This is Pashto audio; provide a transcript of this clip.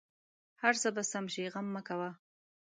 هر څه به سم شې غم مه کوه